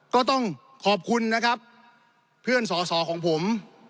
ก็ต้องขอบคุณนะครับเพื่อนสอสอของผม